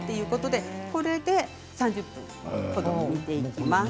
これで３０分、煮ていきます。